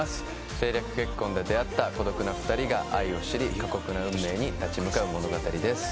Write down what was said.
政略結婚で出会った孤独な２人が愛を知り過酷な運命に立ち向かう物語です